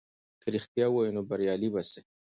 که رښتیا ووایې نو بریالی به سې.